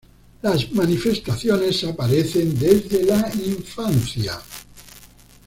Las manifestaciones aparecen desde la infancia.